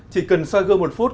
chỉ cần soi gương một phút